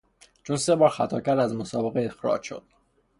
چون سه بار خطا کرد از مسابقه اخراج شد.